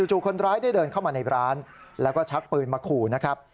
จู่คนร้ายได้เดินเข้ามาในร้านแล้วก็ชักปืนมาขู่นะครับ